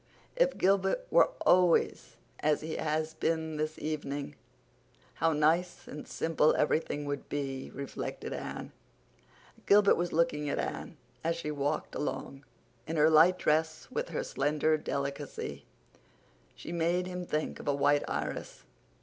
"If Gilbert were always as he has been this evening how nice and simple everything would be," reflected Anne. Gilbert was looking at Anne, as she walked along. In her light dress, with her slender delicacy, she made him think of a white iris.